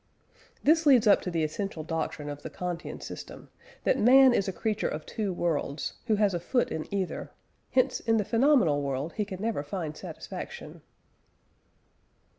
This leads up to the essential doctrine of the Kantian system: that man is a creature of two worlds, who has a foot in either; hence in the phenomenal world he can never find satisfaction.